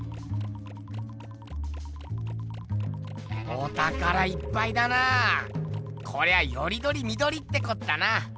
おたからいっぱいだな。こりゃよりどりみどりってこったな。